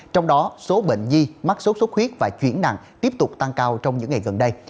trong đó số bệnh nhi mắc sốt xuất huyết và chuyển nặng tiếp tục tăng cao trong những ngày gần đây